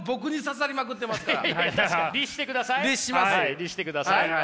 律してください。